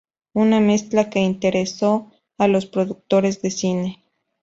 Una mezcla que interesó a los productores de cine.